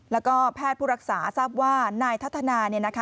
แล้วก็แพทย์ผู้รักษาทราบว่านายทัศนา